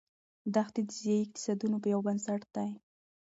دښتې د ځایي اقتصادونو یو بنسټ دی.